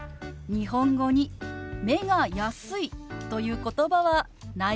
日本語に「目が安い」という言葉はないわよね。